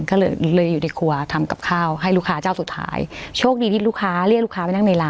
ก็เลยเลยอยู่ในครัวทำกับข้าวให้ลูกค้าเจ้าสุดท้ายโชคดีที่ลูกค้าเรียกลูกค้าไปนั่งในร้าน